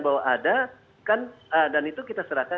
bahwa ada kan dan itu kita serahkan